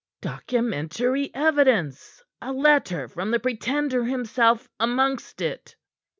"Documentary evidence. A letter from the Pretender himself amongst it."